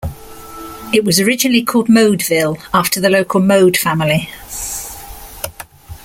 It was originally called Modeville, after the local Mode family.